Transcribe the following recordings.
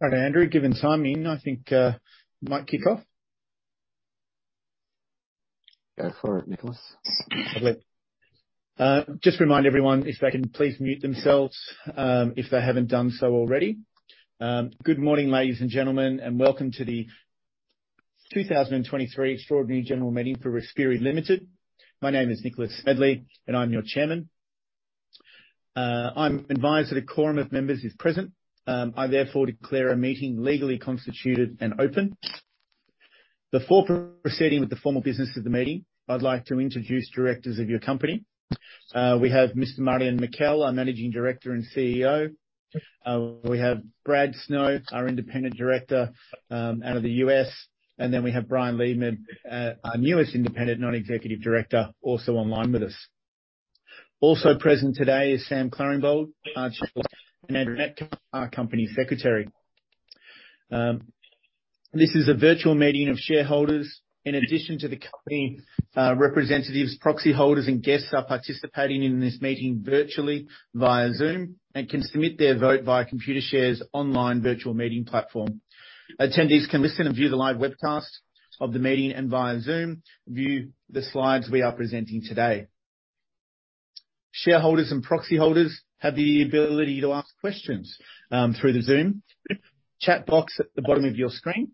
All right, Andrew, given time in, I think, might kick off? Go for it, Nicholas. Lovely. Just remind everyone if they can please mute themselves, if they haven't done so already. Good morning, ladies and gentlemen, and welcome to the 2023 Extraordinary General Meeting for Respiri Limited. My name is Nicholas Smedley. I'm your Chairman. I'm advised that a quorum of members is present. I therefore declare a meeting legally constituted and open. Before proceeding with the formal business of the meeting, I'd like to introduce directors of your company. We have Mr. Marjan Mikel, our Managing Director and CEO. We have Brad Snow, our Independent Director, out of the U.S. We have Brian Leedman, our newest Independent Non-Executive Director, also online with us. Also present today is Sam Claringbold, our Chair. Andrew Metcalfe, our Company Secretary. This is a virtual meeting of shareholders. In addition to the company, representatives, proxy holders and guests are participating in this meeting virtually via Zoom, and can submit their vote via Computershare's online virtual meeting platform. Attendees can listen and view the live webcast of the meeting, and via Zoom, view the slides we are presenting today. Shareholders and proxy holders have the ability to ask questions through the Zoom chat box at the bottom of your screen.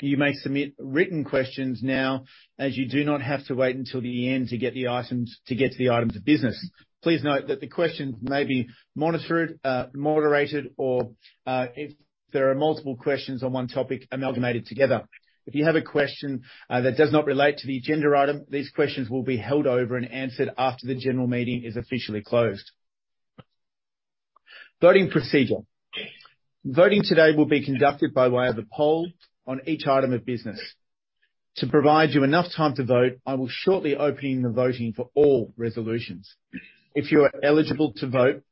You may submit written questions now, as you do not have to wait until the end to get the items-- to get to the items of business. Please note that the questions may be monitored, moderated, or if there are multiple questions on one topic, amalgamated together. If you have a question, that does not relate to the agenda item, these questions will be held over and answered after the general meeting is officially closed. Voting procedure. Voting today will be conducted by way of a poll on each item of business. To provide you enough time to vote, I will shortly opening the voting for all resolutions. If you are eligible to vote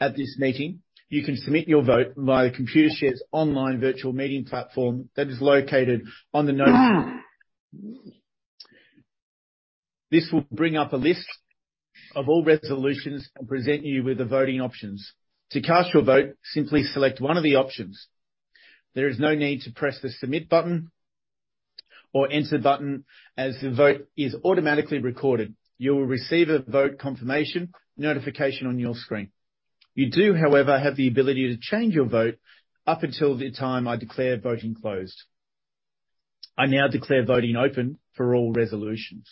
at this meeting, you can submit your vote via Computershare's online virtual meeting platform that is located on the notice. This will bring up a list of all resolutions and present you with the voting options. To cast your vote, simply select one of the options. There is no need to press the Submit button or enter button, as the vote is automatically recorded. You will receive a vote confirmation notification on your screen. You do, however, have the ability to change your vote up until the time I declare voting closed. I now declare voting open for all resolutions.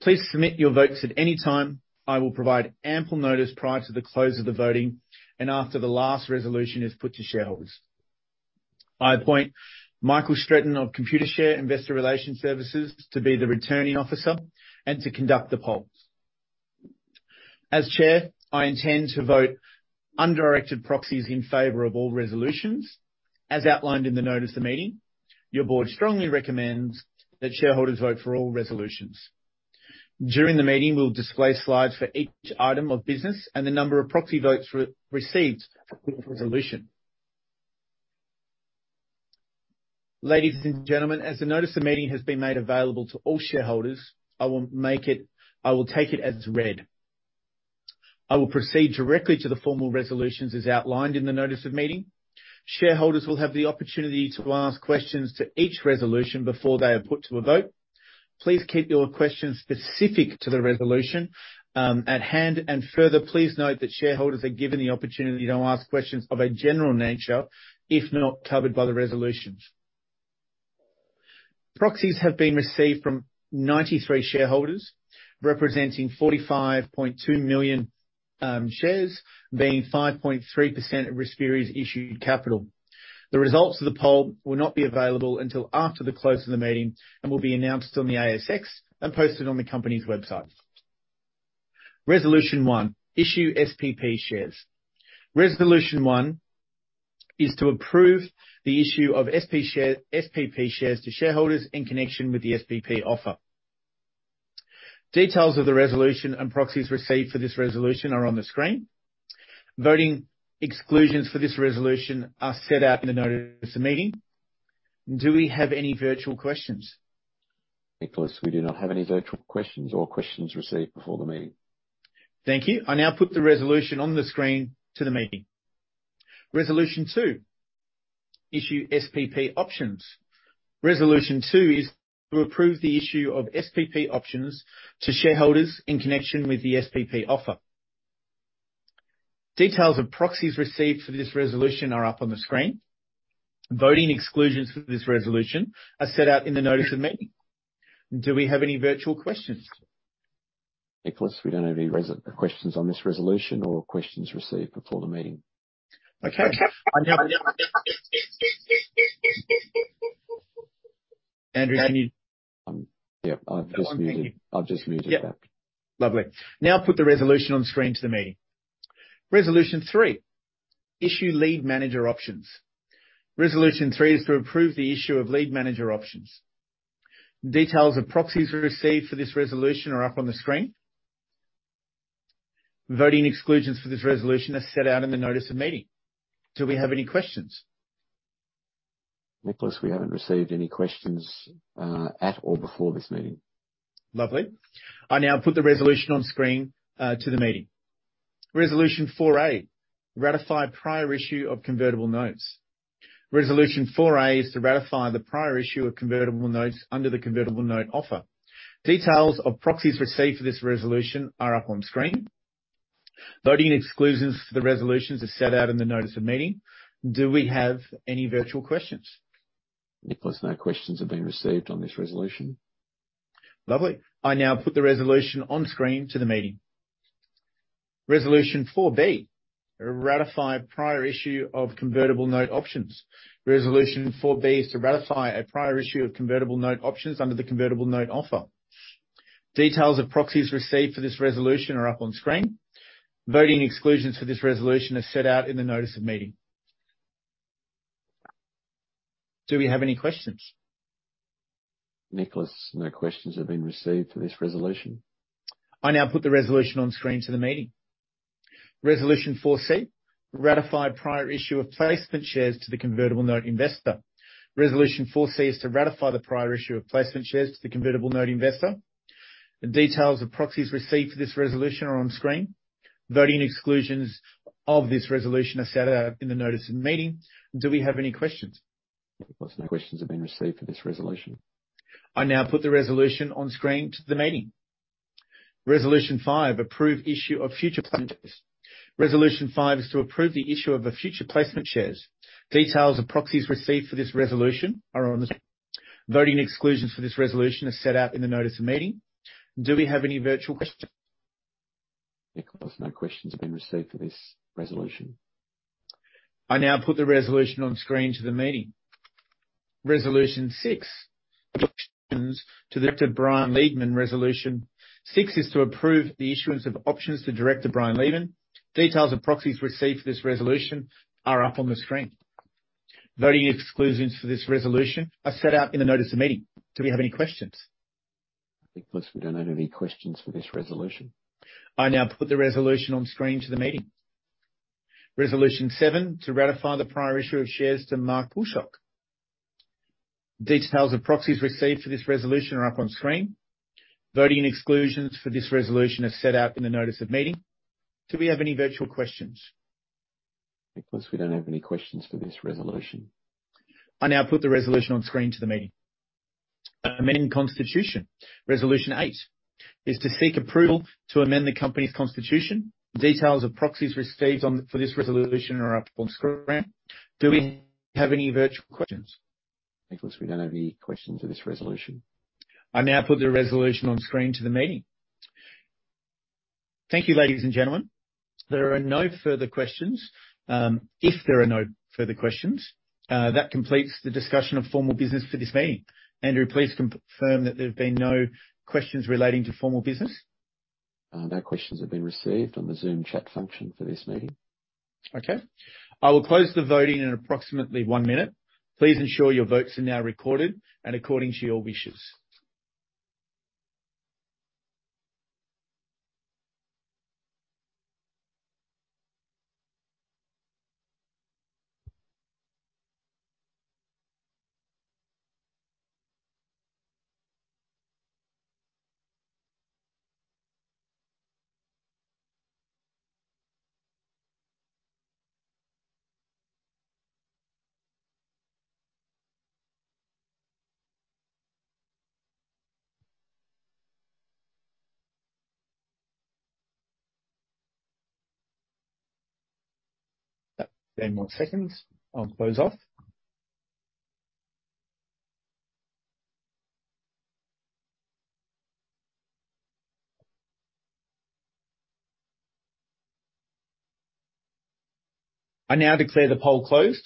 Please submit your votes at any time. I will provide ample notice prior to the close of the voting and after the last resolution is put to shareholders. I appoint Michael Stretton of Computershare Investor Services to be the Returning Officer and to conduct the polls. As chair, I intend to vote undirected proxies in favor of all resolutions. As outlined in the notice of the meeting, your board strongly recommends that shareholders vote for all resolutions. During the meeting, we'll display slides for each item of business and the number of proxy votes received for resolution. Ladies and gentlemen, as the notice of meeting has been made available to all shareholders, I will take it as read. I will proceed directly to the formal resolutions as outlined in the notice of meeting. Shareholders will have the opportunity to ask questions to each resolution before they are put to a vote. Please keep your questions specific to the resolution at hand. Further, please note that shareholders are given the opportunity to ask questions of a general nature, if not covered by the resolutions. Proxies have been received from 93 shareholders, representing 45.2 million shares, being 5.3% of Respiri's issued capital. The results of the poll will not be available until after the close of the meeting, and will be announced on the ASX and posted on the company's website. Resolution 1: Issue SPP shares. Resolution 1 is to approve the issue of SPP shares to shareholders in connection with the SPP offer. Details of the resolution and proxies received for this resolution are on the screen. Voting exclusions for this resolution are set out in the notice of the meeting. Do we have any virtual questions? Nicholas, we do not have any virtual questions or questions received before the meeting. Thank you. I now put the resolution on the screen to the meeting. Resolution 2: Issue SPP options. Resolution 2 is to approve the issue of SPP options to shareholders in connection with the SPP offer. Details of proxies received for this resolution are up on the screen. Voting exclusions for this resolution are set out in the notice of meeting. Do we have any virtual questions? Nicholas, we don't have any questions on this resolution or questions received before the meeting. Okay. Andrew, can you- Yep, I've just muted. Thank you. I've just muted that. Yep. Lovely. Now, put the resolution on screen to the meeting. Resolution 3: Issue lead manager options. Resolution 3 is to approve the issue of lead manager options. Details of proxies received for this resolution are up on the screen. Voting exclusions for this resolution are set out in the notice of meeting. Do we have any questions? Nicholas, we haven't received any questions, at or before this meeting. Lovely. I now put the resolution on screen, to the meeting. Resolution 4A, ratify prior issue of convertible notes. Resolution 4A is to ratify the prior issue of convertible notes under the convertible note offer. Details of proxies received for this resolution are up on screen. Voting exclusions for the resolutions are set out in the notice of meeting. Do we have any virtual questions? Nicholas, no questions have been received on this resolution. Lovely. I now put the resolution on screen to the meeting. Resolution 4B, ratify prior issue of convertible note options. Resolution 4B is to ratify a prior issue of convertible note options under the convertible note offer. Details of proxies received for this resolution are up on screen. Voting exclusions for this resolution are set out in the notice of meeting. Do we have any questions? Nicholas, no questions have been received for this resolution. I now put the resolution on screen to the meeting. Resolution 4C, ratify prior issue of placement shares to the convertible note investor. Resolution 4C is to ratify the prior issue of placement shares to the convertible note investor. The details of proxies received for this resolution are on screen. Voting exclusions of this resolution are set out in the notice of meeting. Do we have any questions? Nicholas, no questions have been received for this resolution. I now put the Resolution on screen to the meeting. Resolution 5, approve issue of future placement shares. Resolution 5 is to approve the issue of a future placement shares. Details of proxies received for this Resolution are on the... Voting exclusions for this Resolution are set out in the notice of meeting. Do we have any virtual questions? Nicholas, no questions have been received for this resolution. I now put the resolution on screen to the meeting. Resolution 6, to Director Brian Leedman. Resolution 6 is to approve the issuance of options to Director Brian Leedman. Details of proxies received for this resolution are up on the screen. Voting exclusions for this resolution are set out in the notice of meeting. Do we have any questions? Nicholas, we don't have any questions for this resolution. I now put the resolution on screen to the meeting. Resolution 7, to ratify the prior issue of shares to Mark Pulsford. Details of proxies received for this resolution are up on screen. Voting exclusions for this resolution are set out in the notice of meeting. Do we have any virtual questions? Nicholas, we don't have any questions for this resolution. I now put the resolution on screen to the meeting. Amend Constitution. Resolution 8 is to seek approval to amend the company's constitution. Details of proxies received for this resolution are up on screen. Do we have any virtual questions? Nicholas, we don't have any questions for this resolution. I now put the resolution on screen to the meeting. Thank you, ladies and gentlemen. There are no further questions. If there are no further questions, that completes the discussion of formal business for this meeting. Andrew, please confirm that there have been no questions relating to formal business. No questions have been received on the Zoom chat function for this meeting. Okay, I will close the voting in approximately one minute. Please ensure your votes are now recorded and according to your wishes. Ten more seconds, I'll close off. I now declare the poll closed.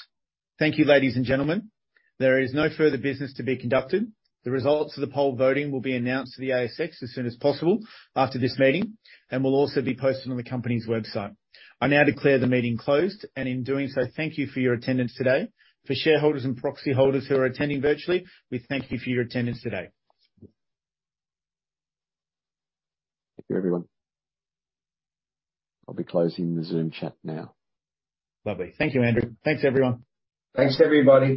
Thank you, ladies and gentlemen. There is no further business to be conducted. The results of the poll voting will be announced to the ASX as soon as possible after this meeting, and will also be posted on the company's website. I now declare the meeting closed, and in doing so, thank you for your attendance today. For shareholders and proxy holders who are attending virtually, we thank you for your attendance today. Thank you, everyone. I'll be closing the Zoom chat now. Lovely. Thank you, Andrew. Thanks, everyone. Thanks, everybody.